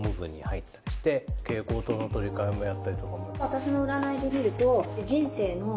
私の占いで見ると。